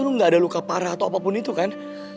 lu gak ada luka parah atau apapun itu kan